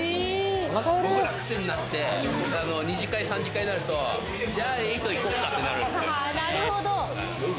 癖になって、２次会、３次会になるとじゃあ、８行こうかってなるんですよ。